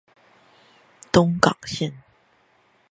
東港線